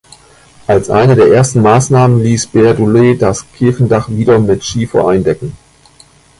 Als eine der ersten Maßnahmen ließ Berdolet das Kirchendach wieder mit Schiefer eindecken.